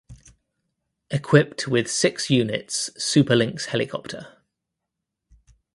Equipped with six units Super Lynx helicopter.